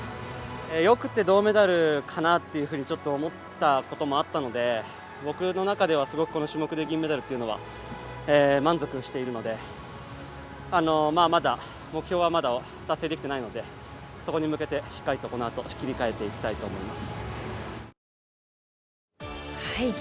よくて銅メダルかなというふうにちょっと思ったこともあったので僕の中では、すごくこの種目で銀メダルというのは満足しているので目標はまだ達成できていないのでそこに向けてしっかりと、このあと切り替えていきたいと思います。